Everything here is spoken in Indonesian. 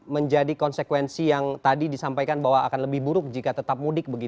menjadi konsekuensi yang tadi disampaikan bahwa akan lebih buruk jika tetap mudik